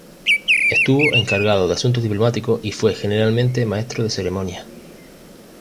Estuvo encargado de asuntos diplomáticos y fue generalmente maestro de ceremonias.